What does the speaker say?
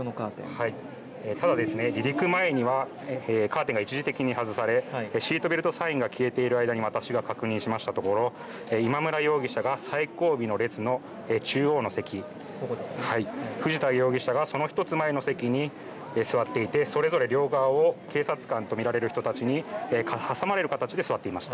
ただ離陸前にはカーテンが一時的に外されシートベルトサインが消えている間に私が確認しましたところ、今村容疑者が最後尾の列の中央の席、藤田容疑者がその１つ前の席に座っていて、それぞれ両側を警察官と見られる人たちに挟まれる形で座っていました。